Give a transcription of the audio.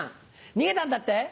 逃げたんだって？